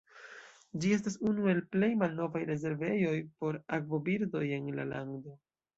Ĝi estas unu el plej malnovaj rezervejoj por akvobirdoj en la lando.